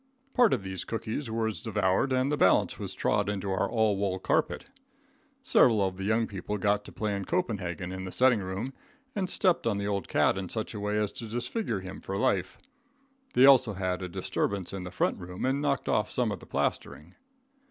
Part of these cookies was devoured and the balance was trod into our all wool carpet. Several of the young people got to playing Copenhagen in the setting room and stepped on the old cat in such a way as to disfigure him for life. They also had a disturbance in the front room and knocked off some of the plastering.